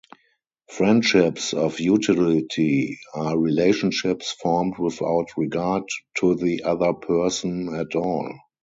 Friendships of utility are relationships formed without regard to the other person at all.